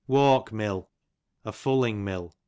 Walk mill, a fulling mill.